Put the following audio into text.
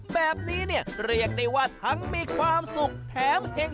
แบบนี้เนี่ยเรียกได้ว่าทั้งมีความสุขแถมเห็ง